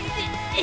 え？